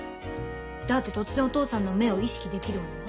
だって突然お父さんの目を意識できるもの？